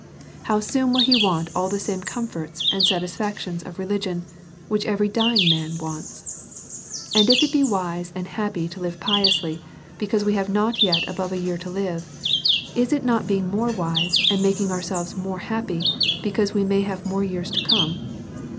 How soon will he want all the same comforts and satisfactions of religion which every dying man wants ! And if it be wise and happy to live piously, because we have not above a year to live, is it not being more wise, and making ourselves more happy, because we may have more years to come?